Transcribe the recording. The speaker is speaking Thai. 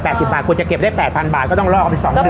แปดสิบบาทคงจะเก็บได้๘๐๐๐บาทก็ต้องลอกไปสองเดือน